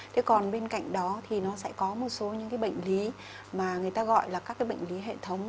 thế còn bên cạnh đó thì nó sẽ có một số những cái bệnh lý mà người ta gọi là các cái bệnh lý hệ thống